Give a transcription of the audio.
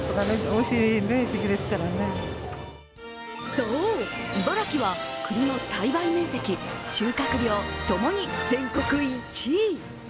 そう、茨城は栗の栽培面積、収穫量ともに全国１位。